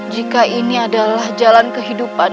jika ini adalah jalan kehidupan